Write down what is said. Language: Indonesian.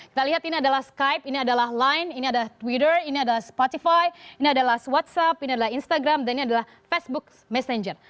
kita lihat ini adalah skype ini adalah line ini adalah twitter ini adalah spotify ini adalah whatsapp ini adalah instagram dan ini adalah facebook messenger